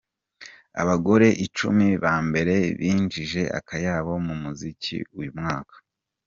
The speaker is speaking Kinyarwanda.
Abagore icumi ba mbere binjije akayabo mu muziki uyu mwaka:.